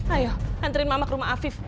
ayo nganterin mama ke rumah afif